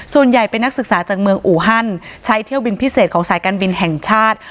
ส่วนใหญ่เป็นนักศึกษาจากเมืองอูฮันใช้เที่ยวบินพิเศษของสายการบินแห่งชาติ